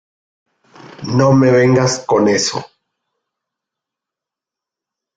no me vengas con eso.